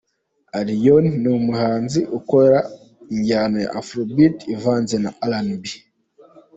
Alllioni: Ni umuhanzi ukora injyana ya Afrobeat ivanze na RnB.